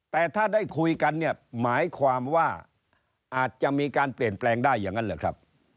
แต่ถ้าได้คุยกันเนี่ยหมายความว่าอาจจะมีการเปลี่ยนแปลงได้อย่างนั้นหรือครับ